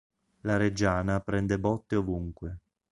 La Reggiana prende botte ovunque.